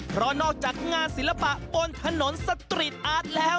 เพราะนอกจากงานศิลปะบนถนนสตรีทอาร์ตแล้ว